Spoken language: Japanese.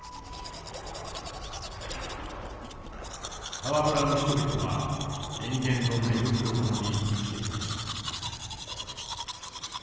タワ村の人々は塩原の恵みと共に生きてきました。